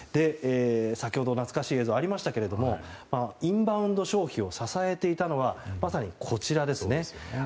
先ほど懐かしい映像もありましたがインバウンド消費を支えていたのはまさにこちらですよね。